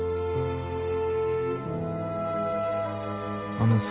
あのさ。